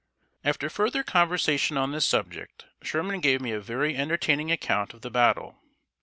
] After further conversation on this subject, Sherman gave me a very entertaining account of the battle.